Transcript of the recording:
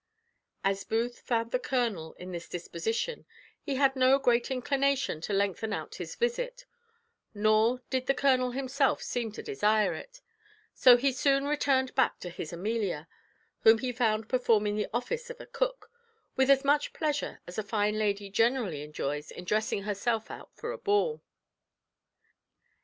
As Booth found the colonel in this disposition, he had no great inclination to lengthen out his visit, nor did the colonel himself seem to desire it: so he soon returned back to his Amelia, whom he found performing the office of a cook, with as much pleasure as a fine lady generally enjoys in dressing herself out for a ball.